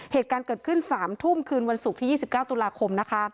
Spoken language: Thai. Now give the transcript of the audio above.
เหตุการณ์เกิดขึ้น๓ทุ่มคืนวันศุกร์ที่๒๙ตุลาคมนะคะ